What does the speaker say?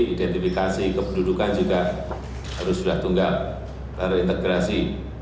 identifikasi kependudukan juga harus sudah tunggal terintegrasi